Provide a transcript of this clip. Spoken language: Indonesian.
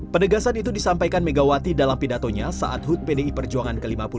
penegasan itu disampaikan megawati dalam pidatonya saat hut pdi perjuangan ke lima puluh